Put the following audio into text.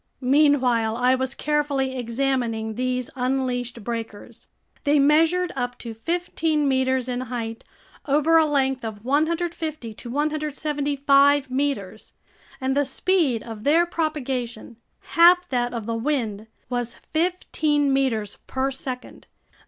Meanwhile I was carefully examining these unleashed breakers. They measured up to fifteen meters in height over a length of 150 to 175 meters, and the speed of their propagation (half that of the wind) was fifteen meters per second.